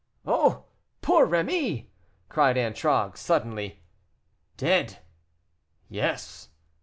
"Oh! poor Rémy!" cried Antragues, suddenly. "Dead!" "Yes."